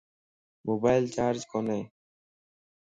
موبائلم چارج ڪوني